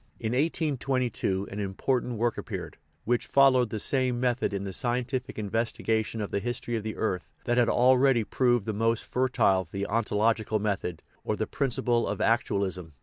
In 1822 an important work appeared, which followed the same method in the scientific investigation of the history of the earth that had already proved the most fertile the ontological method, or the principle of "act ualism."